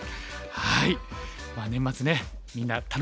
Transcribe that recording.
はい。